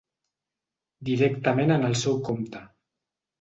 Directament en el seu compte.